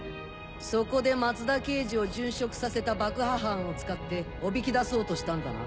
そこで松田刑事を殉職させた爆破犯を使っておびき出そうとしたんだな？